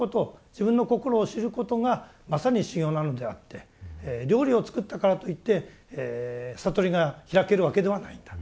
自分の心を知ることがまさに修行なのであって料理を作ったからといって悟りが開けるわけではないんだ。